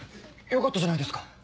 よかったじゃないですか。